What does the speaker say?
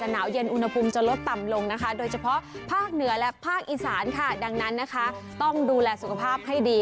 น้ำ